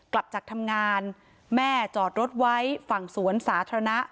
กลับจากทำงานแม่จอดรถไว้ฝั่งสวนสาธารณะ